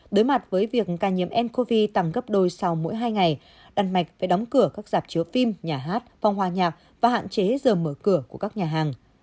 đối mặt với việc ca nhiễm ncov tầm gấp đôi sau mỗi hai ngày đan mạch phải đóng cửa các dạp chứa phim nhà hát phòng hoa nhạc và hạn chế giờ mở cửa của các nhà hàng